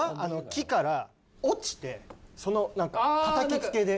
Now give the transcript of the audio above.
木から落ちてそのなんかたたきつけで。